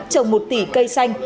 trồng một tỷ cây xanh